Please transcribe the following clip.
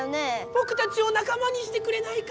ぼくたちを仲間にしてくれないか？